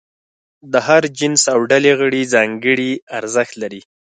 د هر جنس او ډلې غړي ځانګړي ارزښت لري.